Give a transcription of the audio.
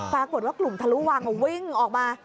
ปรากฏว่ากลุ่มทะลุวังวิ่งออกมา